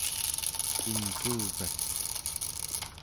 kinkuugat?